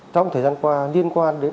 trong thời gian qua liên quan đến